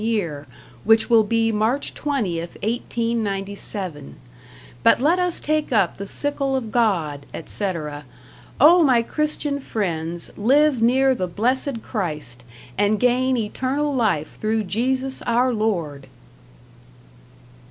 year, which will be March 20th, 1897. But let us take up the sickle of God, etc. Oh, my Christian friends, live near the Blessed Christ, and gain eternal life through Jesus Our Lord!